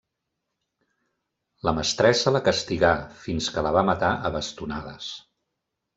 La mestressa la castigà, fins que la va matar a bastonades.